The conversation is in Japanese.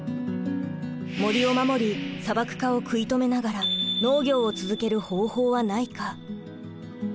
森を守り砂漠化を食い止めながら農業を続ける方法はないか？